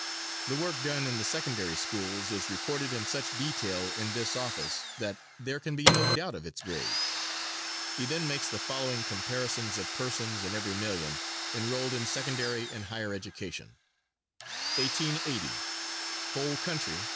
The work done in the secondary schools is reported in such detail in this office, that there can be no doubt of its grade." He then makes the following comparisons of persons in every million enrolled in secondary and higher education: _Whole Country.